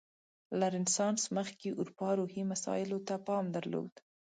له رنسانس مخکې اروپا روحي مسایلو ته پام درلود.